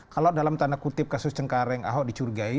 kalau dalam tanda kutip kasus cengkareng ahok dicurigai